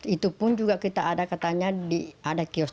itu pun juga kita ada katanya ada kiosk